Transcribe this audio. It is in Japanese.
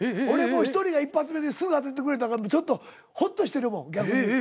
俺もうひとりが一発目ですぐ当ててくれたからちょっとほっとしてるもん逆に。